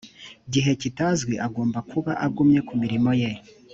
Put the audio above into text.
gihe kitazwi agomba kuba agumye ku mirimo ye